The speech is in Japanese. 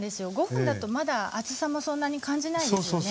５分だとまだ暑さもそんなに感じないですよね。